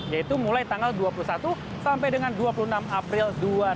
yaitu mulai tanggal dua puluh satu sampai dengan dua puluh enam april dua ribu dua puluh